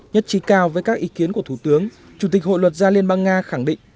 nhất trí cao với các ý kiến của thủ tướng chủ tịch hội luật gia liên bang nga khẳng định